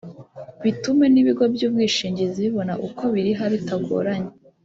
bitume n’ibigo by’ubwishingizi bibona uko biriha bitagoranye